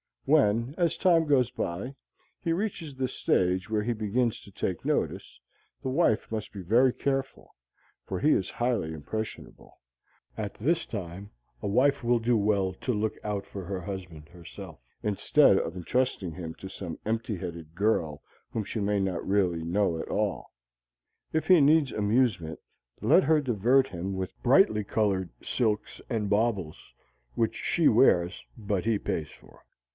When, as time goes by, he reaches the stage where he begins to take notice, the wife must be very careful, for he is highly impressionable. At this time a wife will do well to look out for her husband herself, instead of entrusting him to some empty headed girl, whom she may not really know at all. If he needs amusement let her divert him with brightly colored silks and baubles which she wears and he pays for.